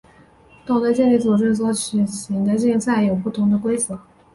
不同的健力组织所举行的竞赛有不同的规则。